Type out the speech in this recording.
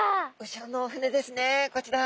後ろのお船ですねこちら。